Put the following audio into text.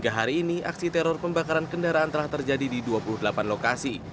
hingga hari ini aksi teror pembakaran kendaraan telah terjadi di dua puluh delapan lokasi